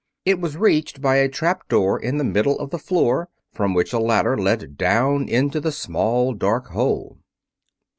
It was reached by a trap door in the middle of the floor, from which a ladder led down into the small, dark hole.